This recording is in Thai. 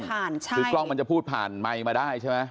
คือกล้องมันจะพูดผ่านไมค์มาได้ใช่ไหม